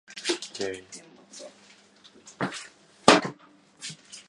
一緒に歌おうよ